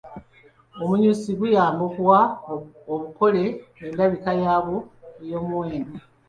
Omunyusi guyamba okuwa obukole endabika yaabwo ey’omuwendo.